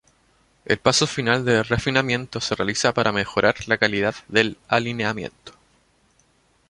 El paso final de refinamiento se realiza para mejorar la calidad del alineamiento.